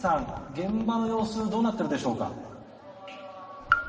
現場の様子どうなっているでしょうか。